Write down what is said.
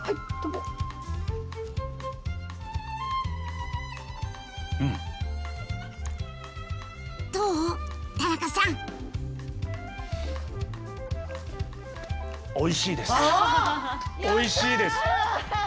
もう本当おいしいです。